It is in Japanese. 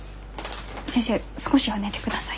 先生少しは寝てください。